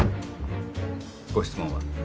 ご質問は？